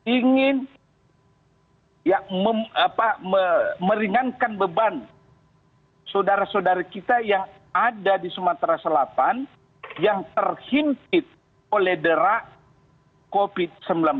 ingin meringankan beban saudara saudara kita yang ada di sumatera selatan yang terhimpit oleh deras covid sembilan belas